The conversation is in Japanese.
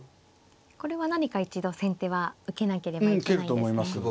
これは何か一度先手は受けなければいけないですね。